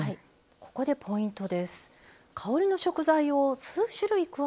ここでポイントです。